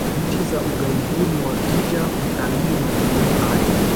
nchi za ughaibuni wakija kutalii maeneo haya